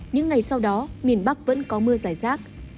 những ngày sau đó miền bắc vẫn có mưa giải rác